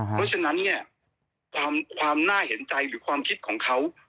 เพราะฉะนั้นเนี่ยความน่าเห็นใจหรือความคิดของเขา